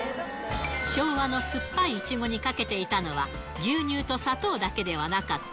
昭和の酸っぱいイチゴにかけていたのは、牛乳と砂糖だけではなかった。